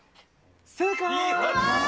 正解！